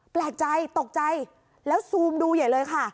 แปลกใจตกใจแล้วซูมดูใหญ่เลยค่ะ